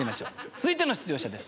続いての出場者です。